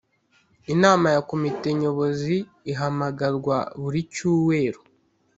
inama ya komite nyobozi ihamagarwa buri cyuweru